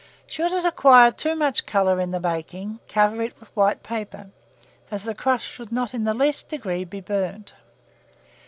Should it acquire too much colour in the baking, cover it with white paper, as the crust should not in the least degree be burnt.